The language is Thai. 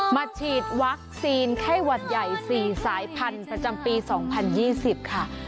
มาฉีดวัคซีนไข้หวัดใหญ่สี่สายพันธุ์ประจำปีสองพันยี่สิบค่ะ